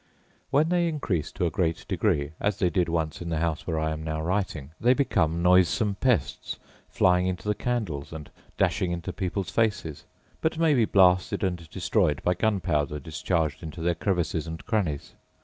When they increase to a great degree, as they did once in the house where I am now writing, they became noisome pests, flying into the candles, and dashing into people's faces; but may be blasted and destroyed by gunpowder discharged into their crevices and crannies.